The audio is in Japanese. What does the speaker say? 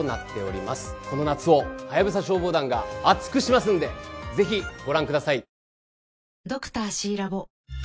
この夏を『ハヤブサ消防団』が熱くしますのでぜひご覧ください。